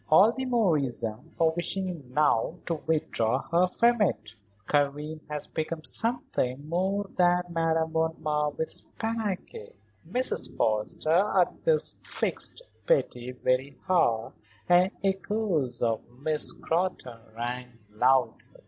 "All the more reason for wishing now to withdraw her from it. Karen has become something more than Madame von Marwitz's panache." Mrs. Forrester at this fixed Betty very hard and echoes of Miss Scrotton rang loudly.